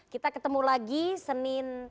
kita ketemu lagi senin